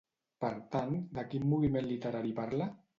Per tant, de quin moviment literari parla?